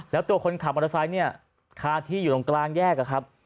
แล้วตัวคนขับมอเตอร์ไซค์เนี่ยคาที่อยู่ตรงกลางแยกอะครับ